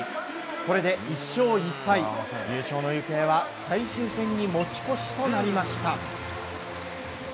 これで１勝１敗、優勝の行方は最終戦に持ち越しとなりました。